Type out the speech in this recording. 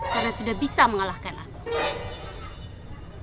karena sudah bisa mengalahkan aku